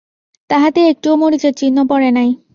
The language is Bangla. তাহাতে একটুও মরিচার চিহ্ন পড়ে নাই।